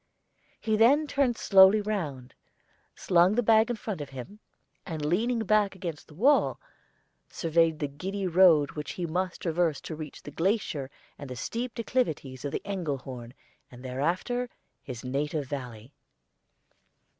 He then turned slowly round, slung his bag in front of him, and leaning back against the wall, surveyed the giddy road which he must traverse to reach the glacier and the steep declivities of the Engelhorn, and thereafter his native valley.